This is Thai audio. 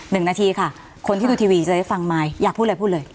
นึงนาทีค่าคนที่ที่ดูทีวีจะได้ฟังไมล์อยากพูดเลย